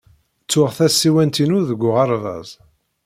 Ttuɣ tasiwant-inu deg uɣerbaz.